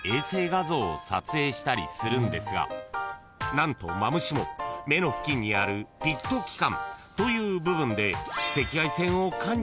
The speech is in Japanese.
［何とマムシも目の付近にあるピット器官という部分で］